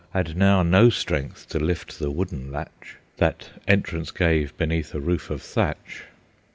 Had now no strength to lift the wooden latch, That entrance gave beneath a roof of thatch.